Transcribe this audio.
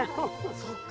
そっか。